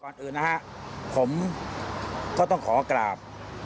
ก่อนอื่นนะครับผมก็ต้องขอกราบ